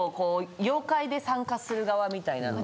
妖怪で参加する側みたいなのは。